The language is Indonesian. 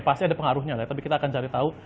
pasti ada pengaruhnya lah tapi kita akan cari tahu